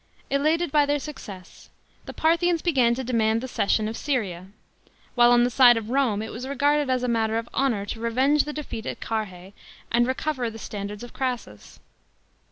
Elated by their success, the Parthians began to demand the cession of Syria ; while on the side ot Rome it was regarded as a matter of honour to revenge the defeat at Carrhae and recover the standards of Crassus.